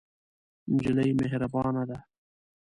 نجلۍ مهربانه ده.